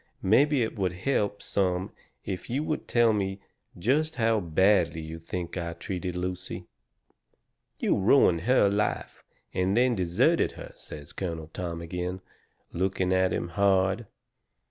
Maybe it would help some if you would tell me just how badly you think I treated Lucy." "You ruined her life, and then deserted her," says Colonel Tom agin, looking at him hard.